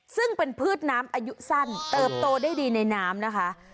ซึ่งเป็นพืชน้ำอายุสั้นเติบโตได้ดีในน้ำนะคะ